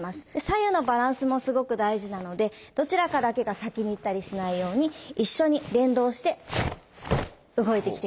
左右のバランスもすごく大事なのでどちらかだけが先に行ったりしないように一緒に連動して動いてきて下さい。